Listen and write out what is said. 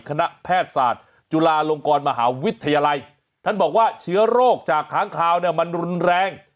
คณะแพทย์ศาสตร์จุฬาลงกรมหาวิทยาลัยท่านบอกว่าเชื้อโรคจากค้างคาวเนี่ยมันรุนแรง